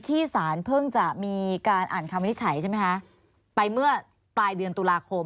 ที่สารเพิ่งจะมีการอ่านคำวินิจฉัยใช่ไหมคะไปเมื่อปลายเดือนตุลาคม